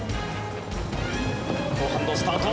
後半のスタート